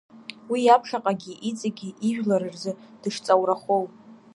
Уи иаԥхьаҟагьы иҵегьы ижәлар рзы дышҵаурахоу.